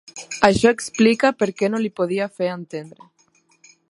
Això explica per què no li podia fer entendre.